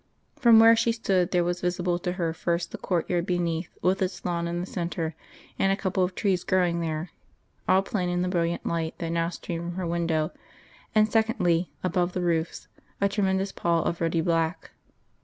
From where she stood there was visible to her first the courtyard beneath, with its lawn in the centre, and a couple of trees growing there all plain in the brilliant light that now streamed from her window, and secondly, above the roofs, a tremendous pall of ruddy black.